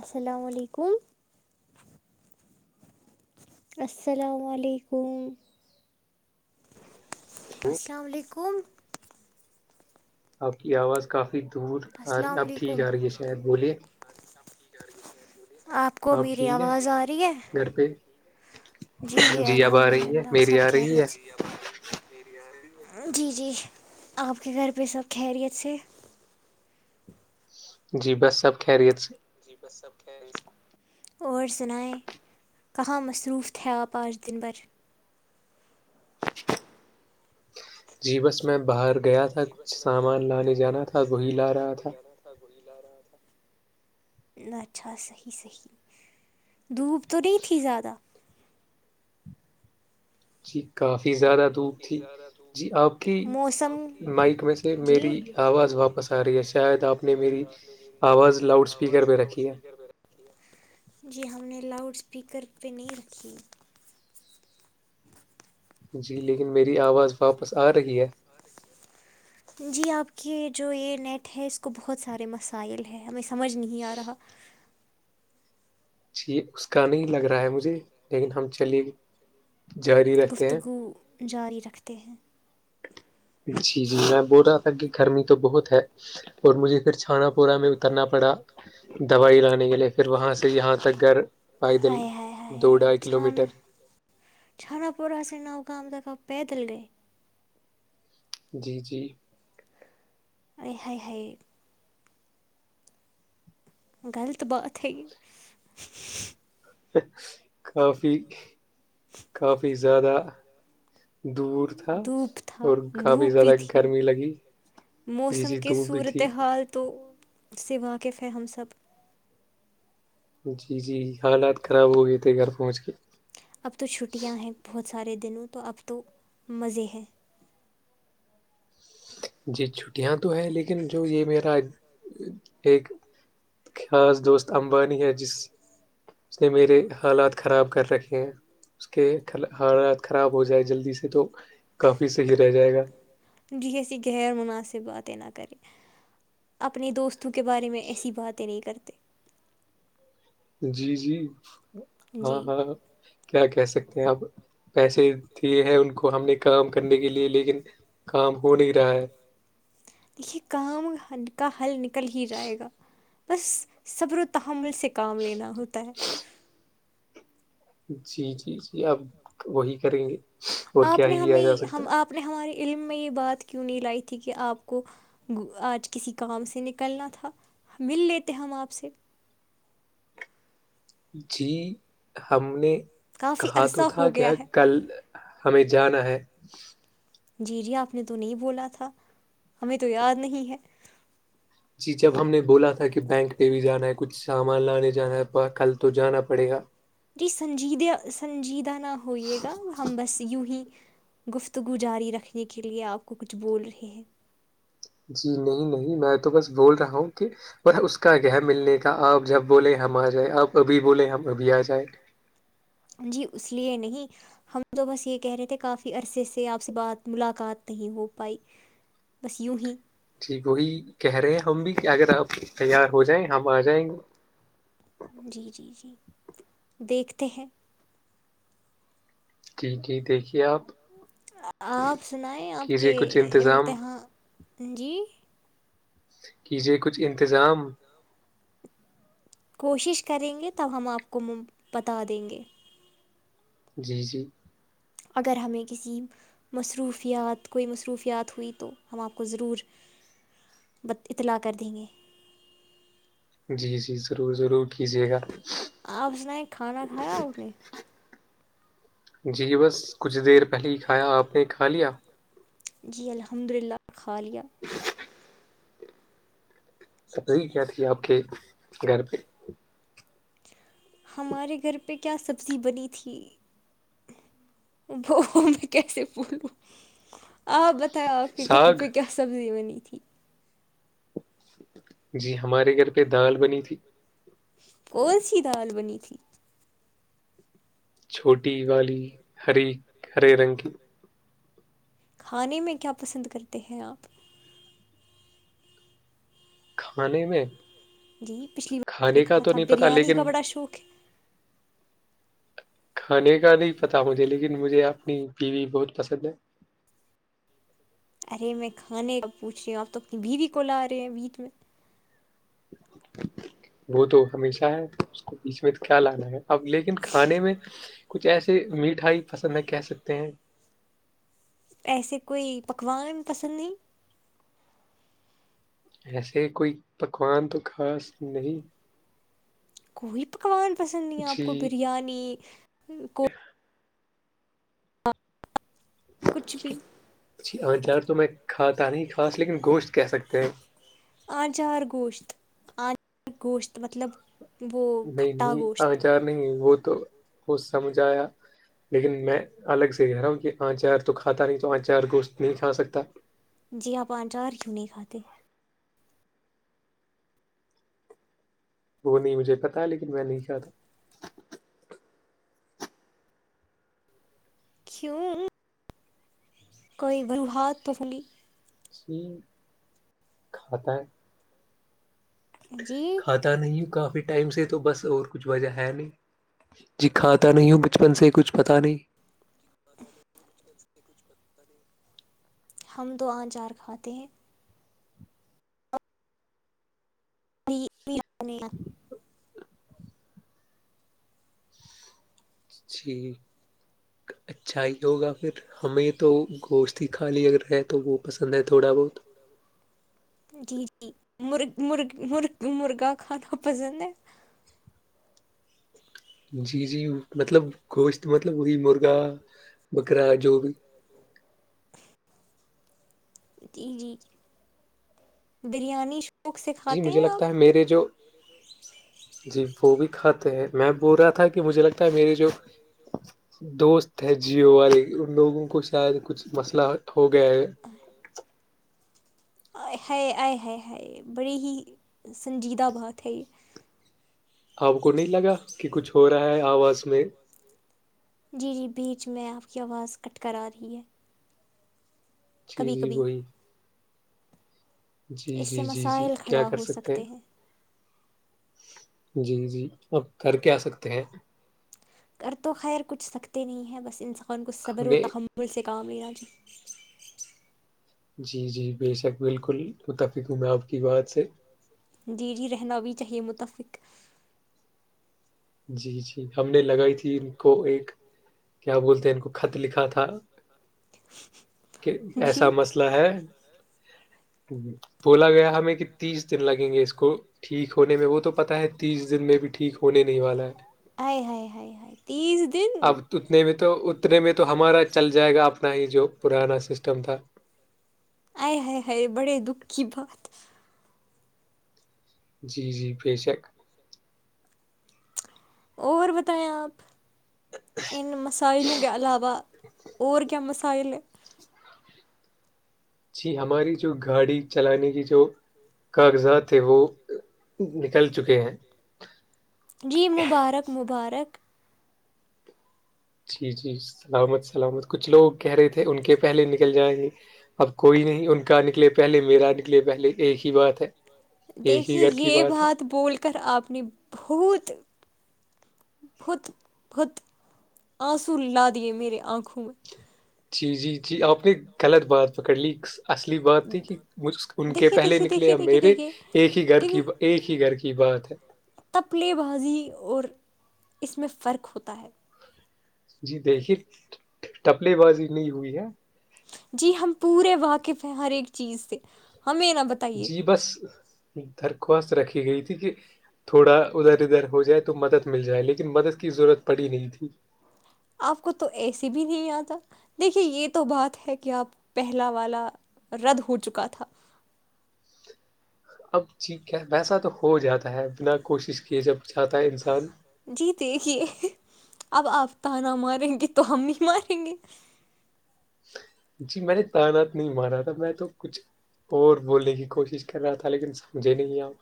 السلام علیکم السلام علیکم السلام علیکم آپ کی آواز کافی دور آ رہی اب ٹھیک آ رہی ہے شاید بولیے آپ کو میری آواز آ رہی ہے گھر پہ جی جی الحمد للہ سب کہہریی جی جی آپ کے گھر پہ سب خیریت سے جی بس سب خیریت سے جی بس سب خ اور سنائیں کہاں مصروف تھے آپ پانچ دن بھر جی بس میں باہر گیا تھا کچھ سامان لانے جانا تھا وہی لا رہا تھا کا گڑ لا رہا تھا اچھا صحیح صحیح دھوپ تو نہیں تھی زیادہ جی کافی زیادہ دور تھی جی آپ کی مائک میں پ میری آواز واپس آ رہی ہے شاید آپ نے میری آواز لاؤڈ اسپیکر پہ رکھی ہے جی ہم نے لاوڈ سپیکر پہ نہیں رکھی جی لیکن میری آواز واپس آ رہی ہے جی آپ کی جو یہ نیٹ ہے اس کو بہت سارے مسائل ہیں ہم سمجھ نہیں آ رہا جی اس کا نہیں لگ رہا ہے مجھے لیکن ہم چلیے گفتگو جاری رکھتے ہیں جی جی میں بول رہا تھا کہ گرمی تو بہت ہے اور مجھے پھر چھانا پورا میں اترنا پڑا دوائی لانے کے لیے پھر وہاں سے یہاں تک گھر پائیدل دو ڈھائی کلو میٹر چھانا پورا سے نوکام دکا پیدل گئے جی جی ای ہ ہ غلط بات ہے کافی کافی زیادہ دور تھا اور کافی زیادہ گرمی لگی جی جی دو بھی تھی تو اس سے واقف ہے ہم سب جی جی حالات خراب ہو گئے تھے گھر پہنچ کے اب تو چھٹیاں ہیں بہت سارے دنوں تو اب تو مزے ہیں جی چھٹیاں تو ہے لیکن جو یہ میرا ایک خاص دوست امبانی ہے جس اس نے میرے حالات خراب کر رکھے ہیں اس کے حالات خراب ہو جائے جلدی سے تو کافی صحیح رہ جائے گا جی ایسی یر مناسب باتیں نہ کریں اپنی دوست کے بارے میں ایسی باتیں نہیں کرتے جی جی ہاں ہاں کیا کہہ سکتے ہیں آپ پیسے دیے ہیں ان کو ہم نے کام کرنے کے لیے لیکن کام ہو نہیں رہا ہے دے کام کا حل نکل ہی جائے گا بس صبر ہمل سے کام لینا ہوتا ہے جی جی جی آپ وہی کریں گے آپ نے ہمیں ہم آپ نے ہمارے علم میں یہ بات کیوں نہیں لائی تھی کہ آپ کو آج کسی کام سے نکلنا تھا مل لیتے ہم آپ سے جی ہم نے کہا تو تھا کہ کل ہمیں جانا ہے جی جی آپ نے تو نہیں بولا تھا ہمیں تو یاد نہیں ہے جی جب ہم نے بولا تھا کہ بینک پہ بھی جانا ہے کچھ سامان لانے جانا ہے کل تو جانا پڑے گا جی سنجید سنجیدہ نہ ہوئیے گا ہم بس یون ہی گفتگو جاری رکھنے کے لیے آپ کو کچھ بول رہے ہیں جی نہیں نہیں میں تو بس بول رہا ہوں کہ وہ اس کا کہ ملنے کا آپ جب بولیں ہم آ جائیں آپ ابھی بولیں ہم ابھی آ جائیں جی اس لیے نہیں ہم تو بس یہ کہہ رہے تھے کافی عرصے سے آپ سے بات ملاقات نہیں ہو پائی بس یوں ہی ٹھیک وہی کہہ رہے ہیں ہم بھی کہ اگر آپ تیار ہو جائیں ہم آ جائیں گے جی جی جی دیکھتے ہیں جی جی دیکھیے آپ آپ سنائیں آپ کے امتحان جی کیجیے کچھ انتظام کوشش کریں گے تب ہم آپ کو بتا دیں گے جی جی اگر ہمیں کسی مصروفیات کوئی مصروفیات ہوئی تو ہم آپ کو ضرور بت اطلاع کر دیں گے جی جی ضرور ضرور کیجیے گا آپ اسنیں کھانا کھایا آ نے جی بس کچھ دیر پہلے ہی کھایا آپ نے کھا لیا جی الحمد للہ خالیہ [unintelligible] سبزی کیا تھی آپ کے گھر پہ ہمارے گھر پہ کیا سبزی بنی تھی وہ میں کیسے بھولوں آ بتا بت آپ کے گھر پہ کیا سبزی بنی تھی جی ہمارے گھر پہ دال بنی تھی کون سی دال بنی تھی چھوٹی والی ہری ہرے رنگ کی کھانے میں کیا پسند کرتے ہیں آپ کھانے میں کھانے کا تو نہیں پتا لیکن اشوخ کھانے کا نہیں پتا مجھے لیکن مجھے اپنی بیوی بہت پسند ہے ارے میں کھانے کا پوچ رہی ہوں آپ تو اپنی بھیوی کو ل آ رہے ہیں بیچ میں وہ تو ہمیشہ ہے اس کو بیچ میں کیا لانا ہے اب لیکن کھانے میں کچھ ایسے میٹھائی پسند ہے کہہ سکتے ہیں ایسے کوئی پکوان پسند نہیں ایسے کوئی پکوان تو خاص نہیں کوئی پکوان پسند نہیں ہے آپ کو بریانی کو کچھ بھی جی اار تو میں کھاتا نہیں خاص لیکن گوشت کہہ سکتے ہیں آنچار گوشت آنچار گوشت مطلب نہیں نہیں آ جا رہ وہ تو وہ سمجھ آیا لیکن میں الگ سے کہہ رہا ہوں کہ آچار تو کھاتا نہیں تو ہچار گوشت نہیں کھا سکتا جی ہاں آانچ ہار کیوں نہیں کھاتے وہ نہیں مجھے پتاہ لیکن میں نہیں کھا تھا کیوں کوئی گروہات تو ہی چی کھاتا ہے جی پت نہیںوں کافی ٹائم سے تو بس اور کچھ وجہ ہے نہیں جی کھاتا نہیں ہوں بچپن سے کچھ پتا نہیں ہم دو آنچار کھاتے ہیں بھی آنی جی اچھا ہی ہوگا پھر ہمیں تو گوشت کھاالی اگر رہے تو وہ پسند ہے تھوڑا بہت جی جی مر مر مر مرغا کھانا پسند ہے جی جی مطلب گوشت مطلب وہی مرغا بکرا جو بھی جی جی جی بریانی جی مجھے لگتا ہے میرے جو جی وہ بھی کھاتے ہیں میں بول رہا تھا کہ مجھے لگتا ہے میری جو دوست ہے جیو والے ان لوگوں کو شاید کچھ مسئلہ ہو گیا ہے ہے آ ہے ہے بڑی ہی سنجیدہ بات ہے آپ کو نہیں لگا کہ کچھ ہو رہا ہے آواز میں جی جی بیچ میں آپ کی آواز کٹ کرا رہی ہے چیز ہی وہی اس سے مسائل کھڑا ہو سکتے ہیں جی جی آپ کر کے آ سکتے ہیں کر تو خیر کچھ سکتے نہیں ہیں بس انسان کو صبر و تحمل سے کام ہی نہ جی جی جی بے شک بالکل متفق ہ میں آپ کی بات سے جی جی رہنا بھی چاہیے متفق جی جی ہم نے لگائی تھی ان کو ایک کیا بولتے ہیں ان کو خط لکھا تھا کہ ایسا مسئلہ ہے بولا گیا ہمیں کہ تیس دن لگیں گے اس کو ٹھیک ہونے میں وہ تو پتہ ہے تیس دن میں بھی ٹھیک ہونے نہیں والا ہے آ ہائے ہ ہ تیس دن اتنے میں تو اتنے میں تو ہمارا چل جائے گا اپنا ہی جو پرانا سسٹم تھا آئے ہائے ہائے بڑے دکھی بت جی جی بے شک اور بتائیں آپ انین مسائلوں کے علاوہ ہوور گ مسائل جی ہماری جو گاڑی چلانے کی جو کاغذات ہے وہ نکل چکے ہیں جی مبارک مبارک جی جی سلامت سلامت کچھ لوگ کہہ رہے تھے ان کے پہلے نکل جائیں گے اب کوئی نہیں ان کا نکلے پہلے میرا نکلے پہلے ایک ہی بات ہے ایک ہی گھر کی بات ہے آپ نے بہت بہت بہت آنسو لا دیے میرے آنکھوں میں جی جی جی آپ نے غلط بات پکڑ لی اصلی بات تھی کہ مجھ ان کے پہلے نکلے یا میرے ایک ہی گھر کی ایک ہی گھر کی بات ہے تپلے بازی اور اس میں فرق ہوتا ہے جی دیکھیے ٹپلے بازی نہیں ہوئی ہے جی ہم پورے واقف ہیں ہر ایک چیز سے ہمیں نہ بتا جی بس درخواست رکھی گئی تھی کہ تھوڑا ادھر ادھر ہو جائے تو مدد مل جائے لیکن مدد کی ضرورت پڑی نہیں تھی آپ کو تو اے سی بھی نہیں آتا دیکھیے یہ تو بات ہے کہ آپ پہلا والا رد ہو چکا تھا اب ٹھیک ہے ویسا تو ہو جاتا ہے بنا کوشش کیے جب چاہتا ہے انسان جی دیکھیے اب آپ تانا ماریں گے تو ہم بھی ماریں گے جی میں نے تانا نہیں مارا تھا میں تو کچھ اور بولنے کی کوشش کر رہا تھا لیکن سمجھے نہیں آپ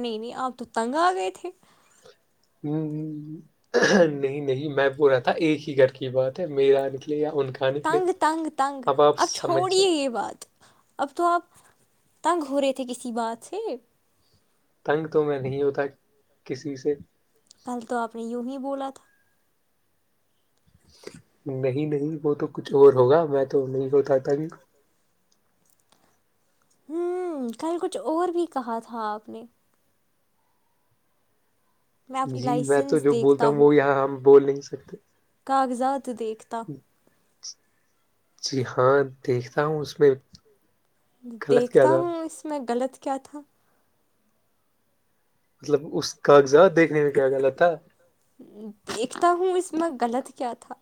نہیں نہیں آپ تو تنگ آ گئے تھے ہوں نہیں نہیں میں کو رہتا ایک ہی گھر کی بات ہے میرا نکلے یا ان کا تنگ تنگ تنگ اب چھوڑیے یہ بات اب تو آپ تنگ ہو رہے تھے کسی بات سے تنگ تو میں نہیں ہوتا کسی سے کل تو آپ نے یوں ہی بولا تھا نہیں نہیں وہ تو کچھ اور ہوگا میں تو نہیں کو چاہتا ہوں کل کچھ اور بھی کہا تھا آپ نے جی میں تو جو بولتا ہوں وہ یہاں ہم بول نہیں سکتے کاغذات دیکھتا جی ہاں دیکھتا ہوں اس میں دیکھتا ہوں اس میں غلط کیا تھا مطلب اس کاغذات دیکھنے میں کیا غلط تھا دیکھتا ہوں اس میں غلط کیا تھا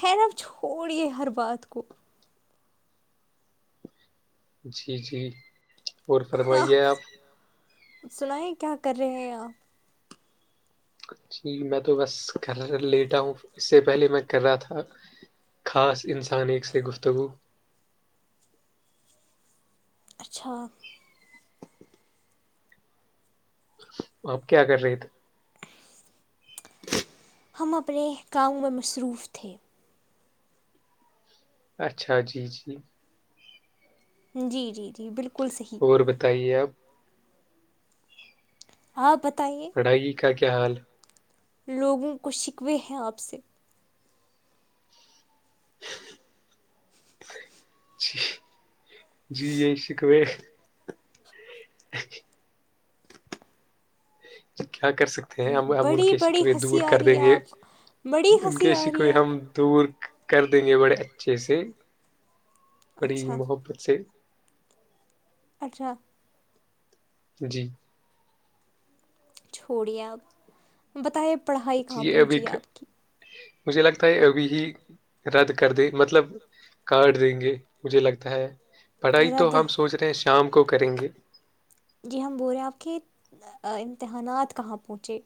خیر اب چھوڑیے ہر بات کو جی جی آپ سنیں کیا کر رہے ہیں آپ جی میں تو بس کر لیٹا ہوں اس سے پہلے میں کر رہا تھا خاص انسان ایک سے گفتگو اچھا آپ کیا کر رہے تھے ہم اپنے کاؤمں میں مصروف تھے اچھا جی جی جی جی جی بالکل صحیح بتائیے آپ ہاں بتائیے پڑھائی کا کیا حال لوگوں کو شکوے ہیں آپ سے جی جی یہی شکو [inaudible] کیا کر سکتے ہیں ہم ہم ان کے شکئی دور کر دیں گے ان کے سکئی ہم دور کر دیں گے بڑے اچھے سے بڑی محبت سے اچھا جی چھوڑیے آپ بتے جی ابھی کا مجھے لگتا ہے ابھی ہی رد کر دے مطلب کڈ دیں گے مجھے لگتا ہے پڑھائی تو ہم سوچ رہے ہیں شام کو کریں گے جی ہم بول رہے ہیں آپ کے امتحانات کہاں پہنچے